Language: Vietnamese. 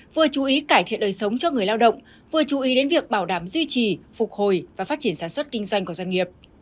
vừa chú ý cải thiện đời sống cho người lao động vừa chú ý đến việc bảo đảm duy trì phục hồi và phát triển sản xuất kinh doanh của doanh nghiệp